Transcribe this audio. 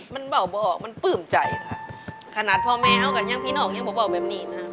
มันบอกบอกมันปลื้มใจค่ะขนาดพ่อแม่เข้ากันยังพี่น้องยังพ่อบอกแบบนี้นะครับ